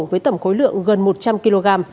với tầm khối lượng gần một trăm linh kg